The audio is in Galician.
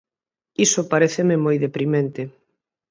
Iso paréceme moi deprimente.